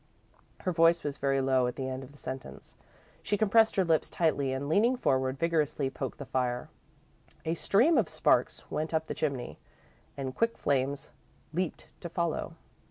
Her voice was very low at the end of the sentence. She compressed her lips tightly and, leaning forward, vigorously poked the fire. A stream of sparks went up the chimney and quick flames leaped to follow.